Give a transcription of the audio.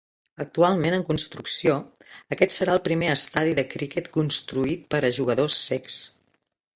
Actualment en construcció, aquest serà el primer estadi de criquet construït per a jugadors cecs.